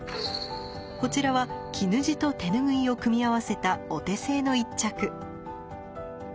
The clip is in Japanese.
こちらは絹地と手ぬぐいを組み合わせたお手製の一着。